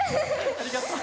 ありがとう。